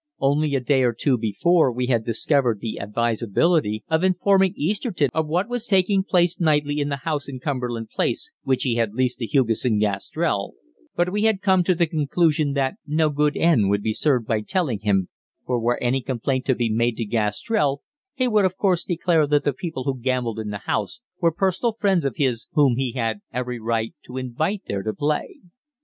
Only a day or two before we had discussed the advisability of informing Easterton of what was taking place nightly in the house in Cumberland Place which he had leased to Hugesson Gastrell, but we had come to the conclusion that no good end would be served by telling him, for were any complaint to be made to Gastrell he would of course declare that the people who gambled in the house were personal friends of his whom he had every right to invite there to play.